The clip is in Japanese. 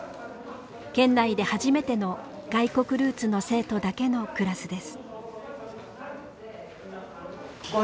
県内で初めての外国ルーツの生徒だけのクラスです。